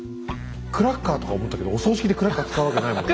クラッカーとか思ったけどお葬式でクラッカー使うわけないもんな。